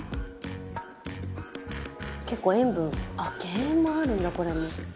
「結構塩分あっ減塩もあるんだこれも」